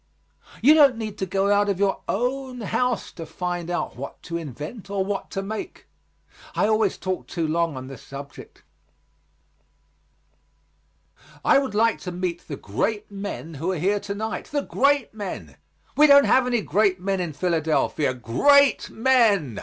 You don't need to go out of your own house to find out what to invent or what to make. I always talk too long on this subject. I would like to meet the great men who are here to night. The great men! We don't have any great men in Philadelphia. Great men!